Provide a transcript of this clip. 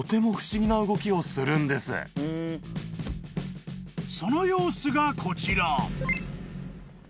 ［その様子がこちら］